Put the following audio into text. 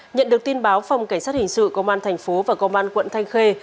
nhận được tin báo phòng cảnh sát hình sự công an tp và công an quận thanh khê